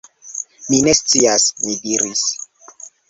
Mi ne scias, mi diris.